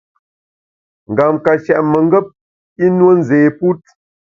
Ngam ka shèt mengap, i nue nzé put.